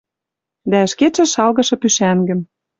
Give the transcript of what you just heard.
Дӓ ӹшкетшӹ шалгышы пушӓнгӹм.